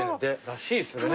らしいですね。